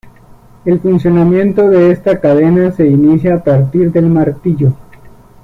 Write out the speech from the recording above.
El funcionamiento de esta cadena se inicia a partir del martillo.